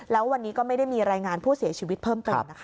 แล้ววันนี้ก็ไม่ได้มีรายงานผู้เสียชีวิตเพิ่มเติมนะคะ